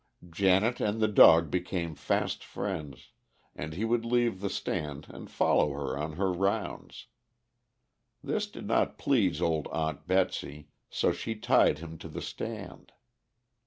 Janet and the dog became fast friends, and he would leave the stand and follow her on her rounds. This did not please old Aunt Betsy, so she tied him to the stand.